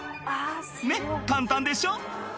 「ねっ簡単でしょ」